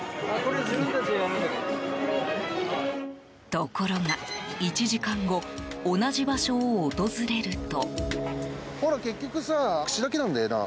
ところが１時間後同じ場所を訪れると。